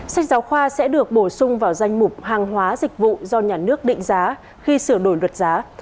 sách giáo khoa sẽ được bổ sung vào danh mục hàng hóa dịch vụ do nhà nước định giá khi sửa đổi luật giá